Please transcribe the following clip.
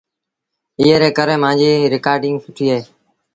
ايئي ري ڪري مآݩجيٚ رآئيٽيٚنگ سُٺيٚ اهي۔